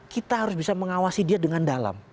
kita harus bisa mengawasi dia dengan dalam